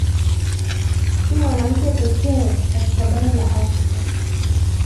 s mwanamke pekee katika bara la afrika